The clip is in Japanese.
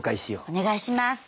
お願いします！